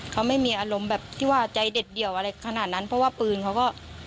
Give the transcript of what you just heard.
เขาก็ไม่เคยจับนะคะ